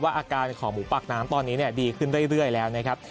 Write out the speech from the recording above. อาการของหมูปากน้ำตอนนี้ดีขึ้นเรื่อยแล้วนะครับ